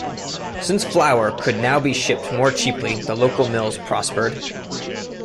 Since flour could now be shipped more cheaply the local mills prospered.